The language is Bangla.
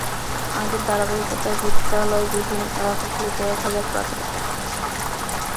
আগের ধারাবাহিকতায় বিদ্যালয়বিহীন এলাকাগুলোতে এক হাজার প্রাথমিক বিদ্যালয় স্থাপন করা হবে।